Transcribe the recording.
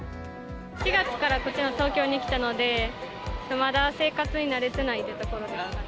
４月からこっちの東京に来たので、まだ生活に慣れてないっていうところが。